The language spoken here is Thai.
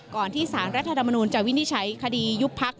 ที่สารรัฐธรรมนูลจะวินิจฉัยคดียุบพัก